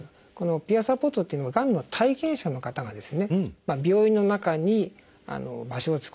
ピアサポートというのはがんの体験者の方が病院の中に場所を作ってですね